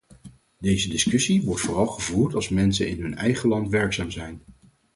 Deze discussie wordt vooral gevoerd als mensen in hun eigen land werkzaam zijn.